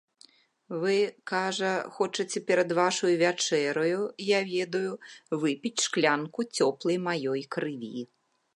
Вы, кажа, хочаце перад вашаю вячэраю, я ведаю, выпіць шклянку цёплай маёй крыві.